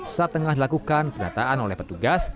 saat tengah dilakukan penataan oleh petugas